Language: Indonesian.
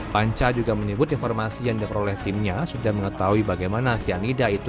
panca juga menyebut informasi yang diperoleh timnya sudah mengetahui bagaimana cyanida itu